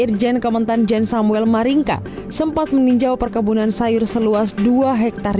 irjen kementan jan samuel maringka sempat meninjau perkebunan sayur seluas dua hektare